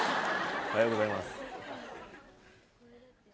おはようございます。